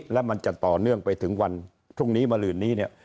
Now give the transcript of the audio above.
แล้วมันจะต่อเนื่องไปถึงวันพรุ่งนี้มาหลืนนี้เนี่ย